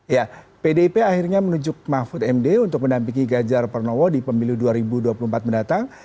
ya pdip akhirnya menunjuk mahfud md untuk mendampingi ganjar pranowo di pemilu dua ribu dua puluh empat mendatang